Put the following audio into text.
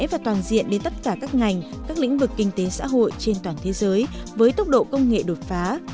và toàn diện đến tất cả các ngành các lĩnh vực kinh tế xã hội trên toàn thế giới với tốc độ công nghệ đột phá